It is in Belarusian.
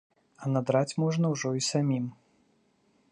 А надраць можна ўжо і самім.